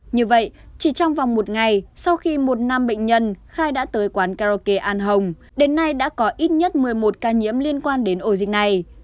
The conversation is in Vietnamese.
như vậy chỉ trong vòng một ngày sau khi một nam bệnh nhân khai đã tới quán karaoke an hồng đến nay đã có ít nhất một mươi một ca nhiễm liên quan đến ổ dịch này